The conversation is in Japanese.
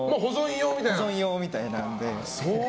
保存用みたいなので。